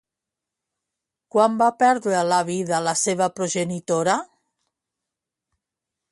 Quan va perdre la vida la seva progenitora?